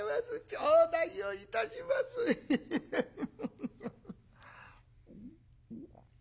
頂戴をいたします。ヘヘヘヘ」。